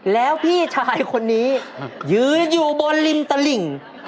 แล้วพี่ชายคนนี้ยืนอยู่บนริมตลิ่ง